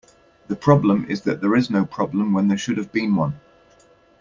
The problem is that there is no problem when there should have been one.